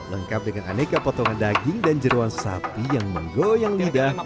lengkap dengan aneka potongan daging dan jeruan sapi yang menggoyang lidah